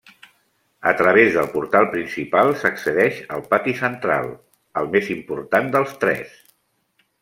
A través del portal principal s'accedeix al pati central, el més important dels tres.